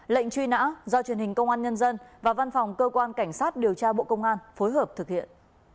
lệnh truy nã do truyền hình công an nhân dân và văn phòng cơ quan cảnh sát điều tra bộ công an phối hợp thực hiện